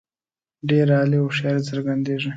ډېره عالي هوښیاري څرګندیږي.